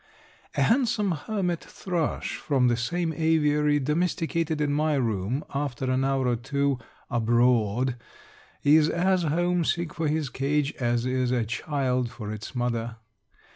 A handsome hermit thrush from the same aviary, domesticated in my room, after an hour or two "abroad" is as homesick for his cage as is a child for its mother.